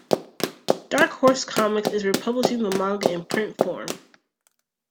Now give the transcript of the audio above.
Dark Horse Comics is republishing the manga in print form.